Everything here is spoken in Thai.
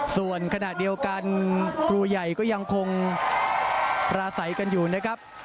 ส่วนขณะเดียวกันครูใหญ่ก็ยังคงปราศัยกันอยู่นะครับ